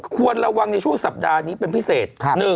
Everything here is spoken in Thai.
ควรระวังในช่วงสัปดาห์นี้เป็นพิเศษ